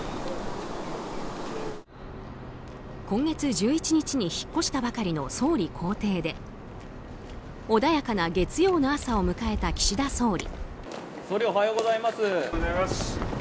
今月１１日に引っ越したばかりの総理公邸で穏やかな月曜の朝を迎えた岸田総理。